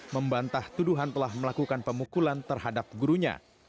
membantah tuduhan telah melakukan pemukulan terhadap gurunya